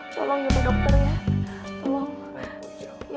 tolong ya ke dokter ya